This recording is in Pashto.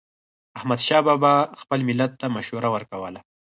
احمدشاه بابا به خپل ملت ته مشوره ورکوله.